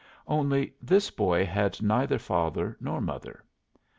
Only, this boy had neither father nor mother.